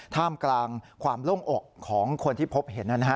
ท่ามกลางความโล่งอกของคนที่พบเห็นนะฮะ